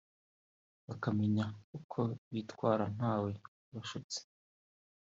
bakamenya uko bitwara ntawe ubashutse